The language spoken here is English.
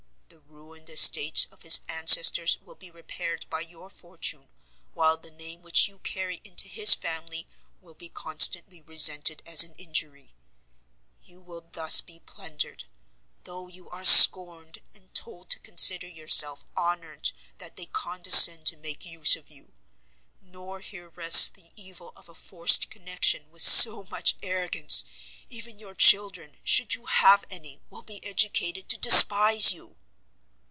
The ruined estates of his ancestors will be repaired by your fortune, while the name which you carry into his family will be constantly resented as an injury; you will thus be plundered though you are scorned, and told to consider yourself honoured that they condescend to make use of you! nor here rests the evil of a forced connection with so much arrogance, even your children, should you have any, will be educated to despise you!"